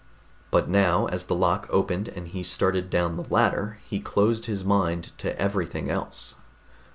But now, as the lock opened and he started down the ladder, he closed his mind to everything else.